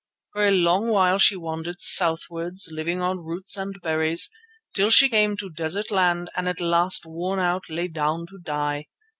For a long while she wandered southwards, living on roots and berries, till she came to desert land and at last, worn out, lay down to die.